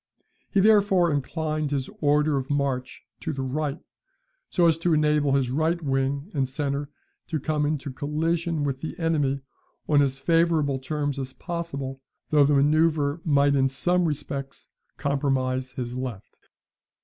He therefore inclined his order of march to the right so as to enable his right wing and centre to come into collision with the enemy on as favourable terms as possible though the manoeuvre might in some respects compromise his left.